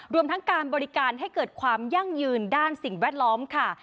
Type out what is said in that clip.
รวมทั้งการบริการให้เกิดความยั่งยืนด้านสิ่งแวดล้อมค่ะ